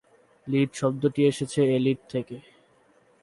Litt শব্দটি এসেছে elite থেকে।